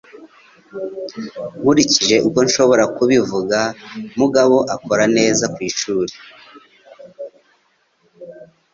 Nkurikije uko nshobora kubivuga, Mugabo akora neza ku ishuri.